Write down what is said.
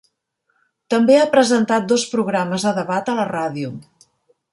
També ha presentat dos programes de debat a la ràdio.